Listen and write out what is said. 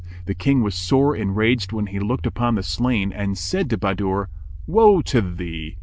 The King was sore enraged when he looked upon the slain and said to Bahadur, "Woe to thee!